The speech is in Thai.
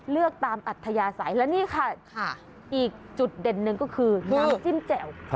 เลือกตามอัธยาศัยและนี่ค่ะอีกจุดเด่นหนึ่งก็คือน้ำจิ้มแจ่ว